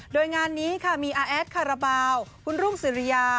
โดยงานนี้ค่ะมีอาแอดคาราบาลคุณรุ่งสิริยา